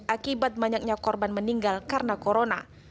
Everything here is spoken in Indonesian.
akibat banyaknya korban meninggal karena corona